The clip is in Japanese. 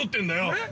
◆えっ。